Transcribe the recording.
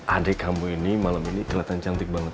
adik kamu ini malam ini kelihatan cantik banget